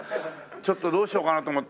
ちょっとどうしようかなと思って。